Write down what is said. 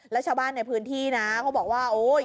แล้วชาวบ้านในพื้นที่นะเขาบอกว่าโอ๊ย